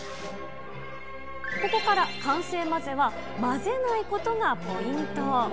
ここから完成までは混ぜないことがポイント。